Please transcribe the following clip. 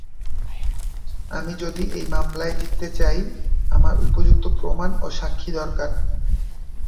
আমি যদি এই মামলায় জিততে চাই, আমার উপযুক্ত প্রমাণ ও সাক্ষী দরকার।